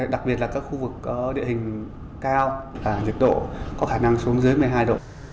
đặc biệt là các khu vực địa hình cao nhiệt độ có khả năng xuống dưới một mươi hai độ